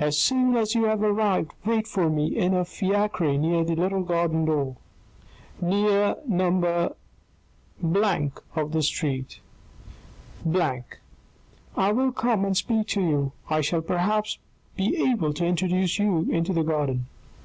As soon as you have arrived, wait for me in a fiacre near the little garden door, near No. of the street I will come and speak to you : I shall perhaps be able to introduce you into the garden.